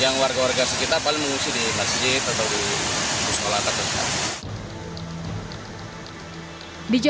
yang warga warga sekitar paling mengungsi di masjid atau di sekolah tersebut